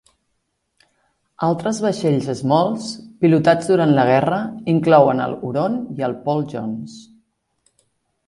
Altres vaixells Smalls pilotats durant la guerra inclouen el "Huron" i el "Paul Jones".